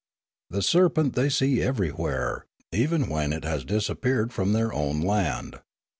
The serpent they see everywhere, even when it has disappeared from their own land.